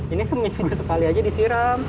ini seminggu sekali aja disiram